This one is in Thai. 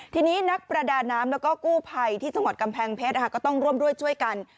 ทีนี้นักประดาน้ำแล้วก็กู้ภัยที่จังหวัดกำแพงเพชรก็ต้องร่วมด้วยช่วยกัน